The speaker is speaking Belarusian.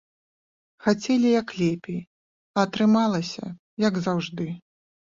Хацелі, як лепей, а атрымалася, як заўжды.